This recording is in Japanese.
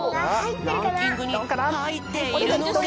ランキングにはいっているのか？